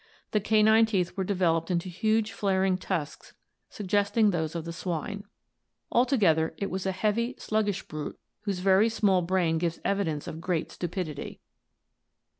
The canine teeth were developed into huge flaring tusks suggesting those of the swine. Altogether it was a heavy sluggish brute whose very small brain gives evidence of I great stupidity.